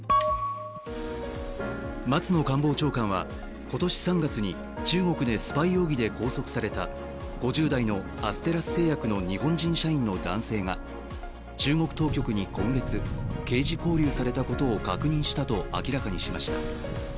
松野官房長官は、今年３月に中国でスパイ容疑で拘束された５０代のアステラス製薬の日本人社員の男性が中国当局に今月、刑事拘留されたことを確認したと明らかにしました。